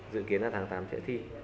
dự kiến là tháng tám sẽ thi